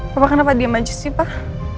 papa kenapa diam aja sih pak